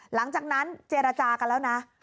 หลังจากนั้นเจรจากันแล้วนะ